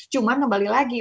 cuma kembali lagi